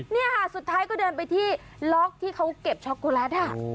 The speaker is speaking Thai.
นี่ค่ะสุดท้ายก็เดินไปที่ล็อกที่เขาเก็บช็อกโกแลต